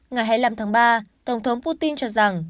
ngày hai mươi năm tháng ba tổng thống putin cho rằng